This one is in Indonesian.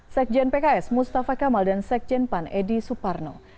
sekjen pks mustafa kamal dan sekjen pan edi suparno